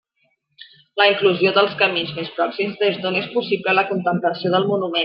La inclusió dels camins més pròxims des d'on és possible la contemplació del monument.